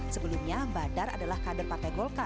sebelumnya badar adalah kader partai golkar